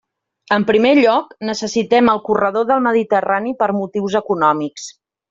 En primer lloc, necessitem el corredor del Mediterrani per motius econòmics.